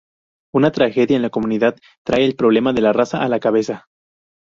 Una tragedia en la comunidad trae el problema de la raza a la cabeza.